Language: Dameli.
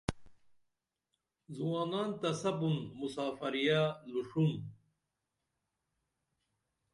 زوانان تہ سپُن مسافری یہ لوݜن